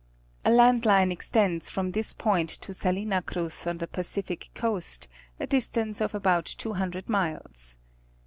A land line extends from this point to Salina Cruz on the Pacific coast, a distance of about two hundred miles.